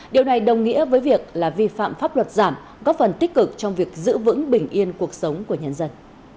điều này đồng nghĩa với việc là vi phạm pháp luật giảm góp phần tích cực trong việc giữ vững bình yên cuộc sống của nhân dân